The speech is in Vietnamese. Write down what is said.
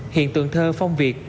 hiện tượng thơ phong việt